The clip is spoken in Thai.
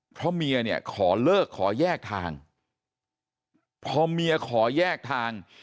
เพราะเมียเนี่ยขอเลิกขอแยกทางพอเมียขอแยกทาง